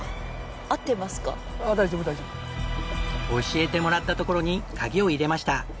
教えてもらったところにカギを入れました。